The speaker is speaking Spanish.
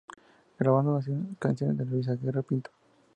Grabando canciones de Luis Aguirre Pinto.